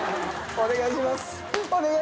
お願いします。